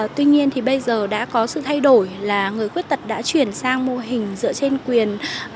tuy nhiên thì bây giờ đã có sự thay đổi là người khuyết tật đã chuyển sang mô hình dựa trên quyền